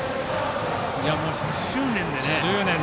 執念でね。